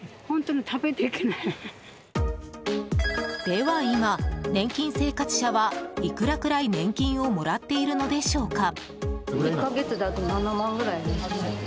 では今、年金生活者はいくらくらい年金をもらっているのでしょうか。